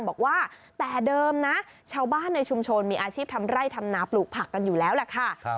บอกว่าแต่เดิมนะชาวบ้านในชุมชนมีอาชีพทำไร่ทำนาปลูกผักกันอยู่แล้วแหละค่ะ